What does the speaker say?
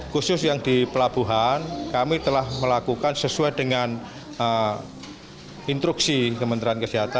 khusus yang di pelabuhan kami telah melakukan sesuai dengan instruksi kementerian kesehatan